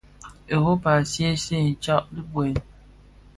Europa a ňyisè tsag bi duel.